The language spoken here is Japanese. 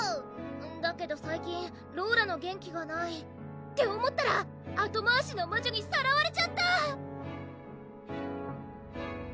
だけど最近ローラの元気がないって思ったらあとまわしの魔女にさらわれちゃった！